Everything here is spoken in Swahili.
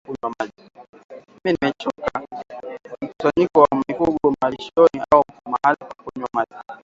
Mkusanyiko wa mifugo malishoni au mahali pa kunywa maji